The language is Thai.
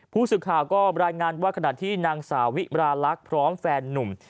ผู้สื่อข่าวก็รายงานว่าขณะที่นางสาวิมราลักษณ์พร้อมแฟนนุ่ม